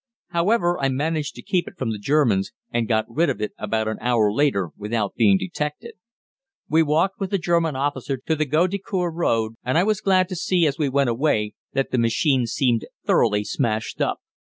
However, I managed to keep it from the Germans, and got rid of it about an hour later without being detected. We walked with the German officer to the Gondecourt road, and I was glad to see as we went away, that the machine seemed thoroughly smashed up.